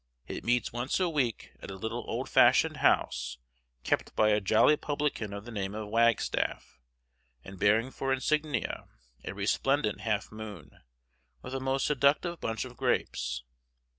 It meets once a week at a little old fashioned house kept by a jolly publican of the name of Wagstaff, and bearing for insignia a resplendent half moon, with a most seductive bunch of grapes.